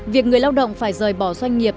việc người lao động phải rời bỏ doanh nghiệp